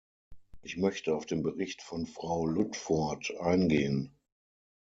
Ich möchte auf den Bericht von Frau Ludford eingehen.